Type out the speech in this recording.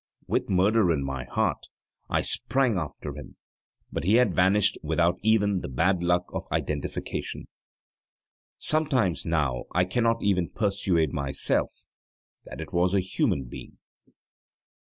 With murder in my heart, I sprang after him, but he had vanished without even the bad luck of identification. Sometimes now I cannot even persuade myself that it was a human being.